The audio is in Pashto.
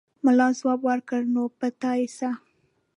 ملا ځواب ورکړ: نو په تا يې څه!